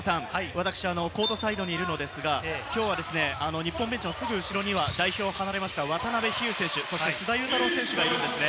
コートサイドにいるのですが、きょうは日本ベンチとすぐ後ろに代表を離れた渡邉飛勇選手、須田侑太郎選手がいるんです。